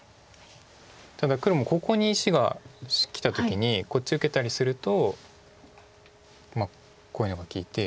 ただ黒もここに石がきた時にこっち受けたりするとまあこういうのが利いて。